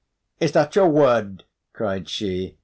"Is that your word?" cried she.